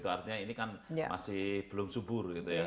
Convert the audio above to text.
artinya ini kan masih belum subur gitu ya